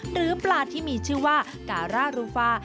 หรือปลาที่มีชื่อว่าการ่ารูฟา